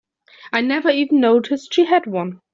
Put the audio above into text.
I never even noticed she had one.